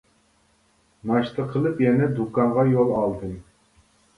ناشتا قىلىپ يەنە دۇكانغا يول ئالدىم.